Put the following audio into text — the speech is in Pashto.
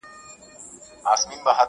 لوڅ لپړ پاچا روان لكه اشا وه !.